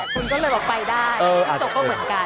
คุณก็เลยบอกไปได้จิ้งจกก็เหมือนกัน